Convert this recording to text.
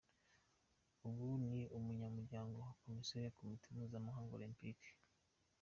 Ubu ni umunyamuryango wa komisiyo ya komite mpuzamahanga Olempike.